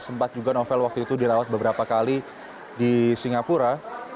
sempat juga novel waktu itu dirawat beberapa kali di singapura